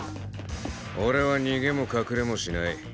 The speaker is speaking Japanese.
俺は逃げも隠れもしない。